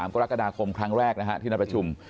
กรกฎาคมครั้งแรกที่นัดประชุม